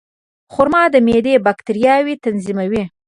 خرما د معدې باکتریاوې تنظیموي.